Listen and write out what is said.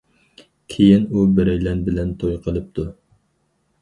كېيىن ئۇ بىرەيلەن بىلەن توي قىلىپتۇ.